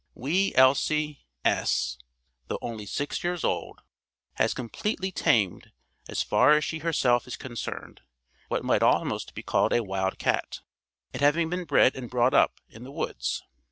Wee Elsie S , though only six years old, has completely tamed as far as she herself is concerned what might almost be called a wild cat, it having been bred and brought up in the woods.